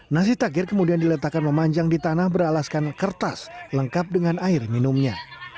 nasi takir kemudian diletakkan memanjang di tanah beralaskan kertas lengkap dengan air minumnya